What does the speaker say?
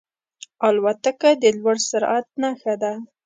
الوتکه د لوړ سرعت نښه ده.